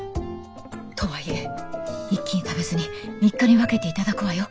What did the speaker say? とはいえ一気に食べずに３日に分けて頂くわよ。